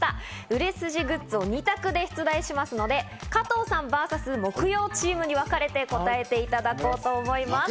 売れ筋グッズを２択で出題しますので、加藤さんｖｓ木曜チームに分かれて答えていただこうと思います。